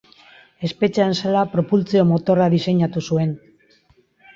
Espetxean zela propultsio-motorra diseinatu zuen.